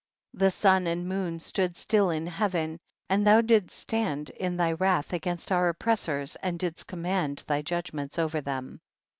8. The sun and moon stood still in heaven, and thou didst stand in thy wrath against our oppressors and didst command thy judgments over them.